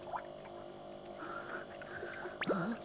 ああ！